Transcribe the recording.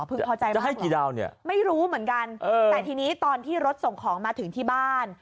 เธอเข้าใจมากเหรอไม่รู้เหมือนกันแต่ทีนี้ตอนที่รถส่งของมาถึงที่บ้าน